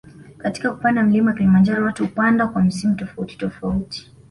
Katika kupanda mlima kilimanjaro watu hupanda kwa misimu tofauti tofauti